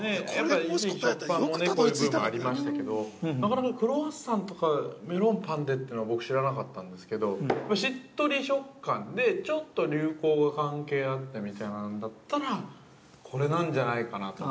◆一時期食パンもね、こういうブームありましたけどなかなかクロワッサンとかメロンパンでというのは、僕知らなかったんですけどしっとり食感でちょっと流行が関係あってみたいなんだったら、これなんじゃないかなと。